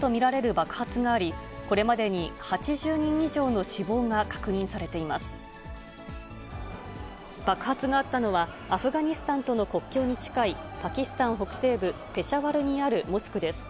爆発があったのは、アフガニスタンとの国境に近いパキスタン北西部ペシャワルにあるモスクです。